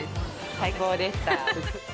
最高でした。